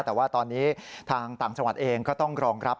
แต่ว่าตอนนี้ทางต่างจังหวัดเองก็ต้องรองรับ